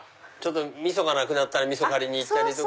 みそがなくなったらみそ借りに行ったりとか。